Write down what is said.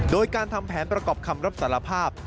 โดยการทำแผนประกอบคำรับสารภาพ